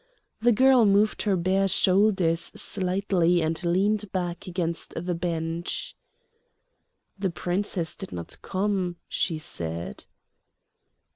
The girl moved her bare shoulders slightly and leaned back against the bench. "The Princess did not come," she said.